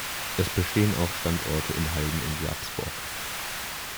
Es bestehen auch Standorte in Halden und Sarpsborg.